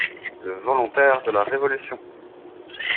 Le volontaire de la Révolution!